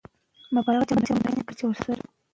هغه د خپلو اثارو له لارې راتلونکو نسلونو ته لار وښوده.